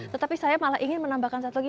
tetapi saya malah ingin menambahkan satu lagi